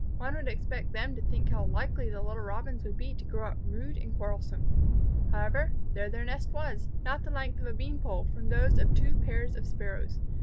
One would expect them to think how likely the little Robins would be to grow up rude and quarrelsome. However, there their nest was, not the length of a beanpole from those of two pairs of Sparrows.